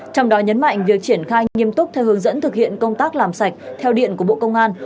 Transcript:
trong đó nhấn mạnh việc triển khai nghiêm túc theo hướng dẫn thực hiện công tác làm sạch theo điện của bộ công an